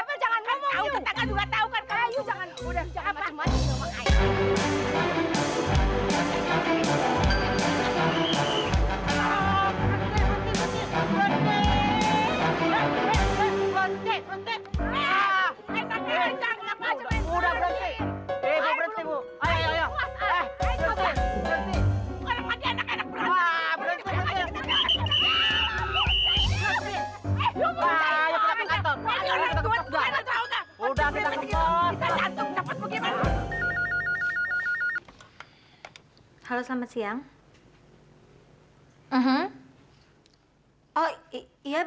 maksudnya dia yang minta maaf sama you